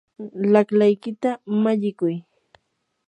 laqlaykita mallikuy.